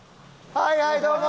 はいはいどうも！